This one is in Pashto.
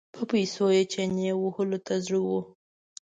په پیسو یې چنې وهلو ته زړه و.